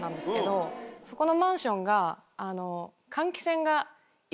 そこのマンションが。